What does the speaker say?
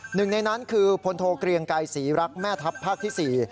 หนึ่งในนั้นคือพลโทเกลียงไกรศรีรักแม่ทัพภาคที่๔